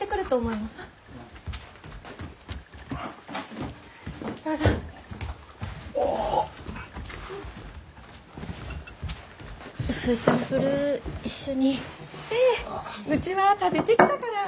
いやうちは食べてきたから。